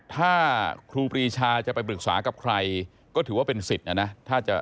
ถ้าครูปรีชาจะไปปรึกษากับใครก็ถือว่าเป็นสิทธิ์นะนะ